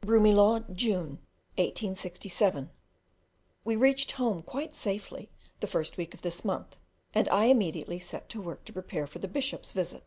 Broomielaw, June 1867. We reached home quite safely the first week of this month, and I immediately set to work to prepare for the Bishop's visit.